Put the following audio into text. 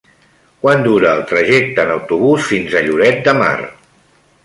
Quant dura el trajecte en autobús fins a Lloret de Mar?